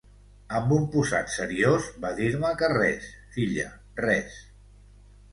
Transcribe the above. Amb un posat seriós va dir-me que res, filla, res.